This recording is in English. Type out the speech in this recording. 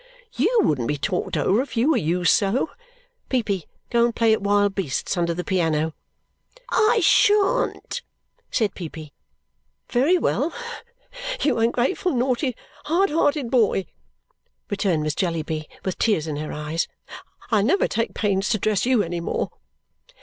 YOU wouldn't be talked over if you were used so. Peepy, go and play at Wild Beasts under the piano!" "I shan't!" said Peepy. "Very well, you ungrateful, naughty, hard hearted boy!" returned Miss Jellyby with tears in her eyes. "I'll never take pains to dress you any more."